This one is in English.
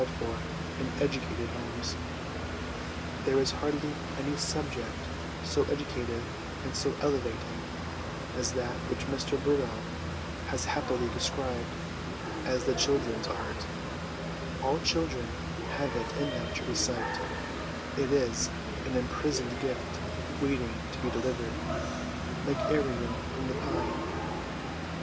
3 Appendix A. LESSONS AS INSTRUMENTS OF EDUCATION 223 so educative and so elevating as that which Mr Burrell has happily described as 'The Children's Art.' All children have it in them to recite ; it is an imprisoned gift waiting to be delivered, like Ariel from the pine.